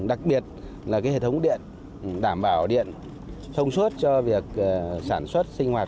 đặc biệt là hệ thống điện đảm bảo điện thông suốt cho việc sản xuất sinh hoạt